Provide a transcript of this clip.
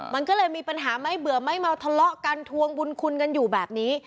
มันก็เลยมีปัญหาไม่เบื่อไม่เมาทะเลาะกันทวงบุญคุณกันอยู่แบบนี้